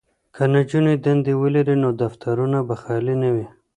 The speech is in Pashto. که نجونې دندې ولري نو دفترونه به خالي نه وي.